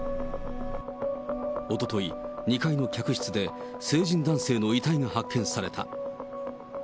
おととい、２階の客室で、成人男性の遺体が発見された。